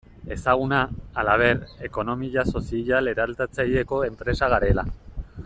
Ezaguna, halaber, ekonomia sozial eraldatzaileko enpresa garela.